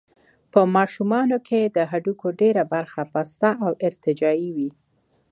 په ماشومانو کې د هډوکو ډېره برخه پسته او ارتجاعي وي.